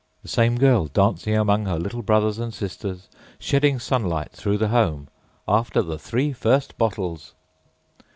â The same girl dancing among her little brothers and sisters, shedding sunlight through the homeââAfter the three first bottles!